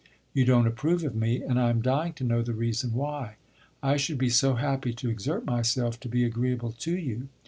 You don't approve of me, and I am dying to know the reason why. I should be so happy to exert myself to be agreeable to you.